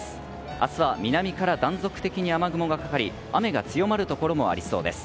明日は南から断続的に雨雲がかかり雨が強まるところもありそうです。